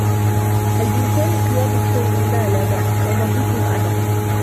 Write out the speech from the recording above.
هل بإمكاني القيام بشيء؟ "لا، لا بأس. سأنظّفه أنا."